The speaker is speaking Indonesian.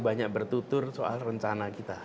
banyak bertutur soal rencana kita